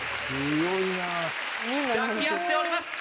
抱き合っております